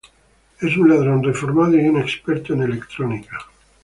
Es un ladrón reformado y un experto en electrónica.